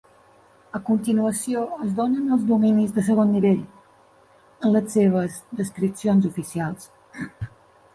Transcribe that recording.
A continuació es donen els dominis de segon nivell, amb les seves descripcions oficials.